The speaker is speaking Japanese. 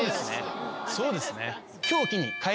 そうですね。